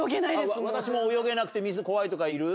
私も泳げなくて水怖いとかいる？